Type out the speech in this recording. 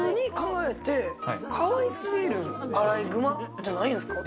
かわいすぎるアライグマじゃないんですか。